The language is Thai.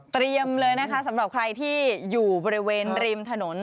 เลยนะคะสำหรับใครที่อยู่บริเวณริมถนน